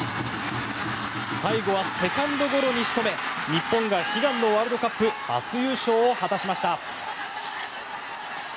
最後はセカンドゴロに仕留め日本が悲願のワールドカップ初優勝を果たしました。